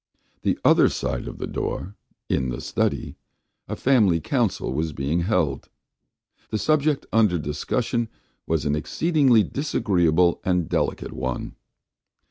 The other side of the door, in the study, a family council was being held. The subject under discussion was an exceedingly disagreeable and delicate one.